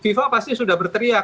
fifa pasti sudah berteriak